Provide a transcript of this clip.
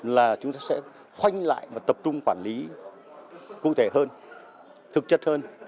là chúng ta sẽ khoanh lại và tập trung quản lý cụ thể hơn thực chất hơn